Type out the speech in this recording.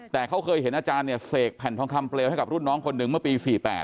แต่เขาเคยเห็นอาจารย์เนี่ยเสกแผ่นทองคำเปลวให้กับรุ่นน้องคนหนึ่งเมื่อปี๔๘